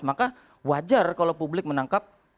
maka wajar kalau publik menangkap